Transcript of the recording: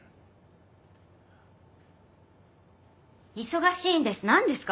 忙しいんです。